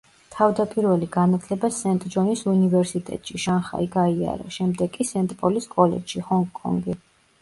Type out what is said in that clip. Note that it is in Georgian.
თავდაპირველი განათლება სენტ-ჯონის უნივერსიტეტში, შანხაი, გაიარა, შემდეგ კი სენტ-პოლის კოლეჯში, ჰონკონგი.